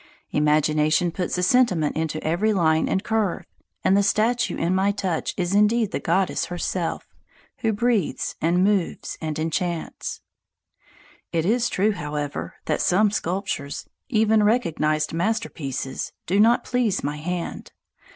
Imagination puts a sentiment into every line and curve, and the statue in my touch is indeed the goddess herself who breathes and moves and enchants. It is true, however, that some sculptures, even recognized masterpieces, do not please my hand.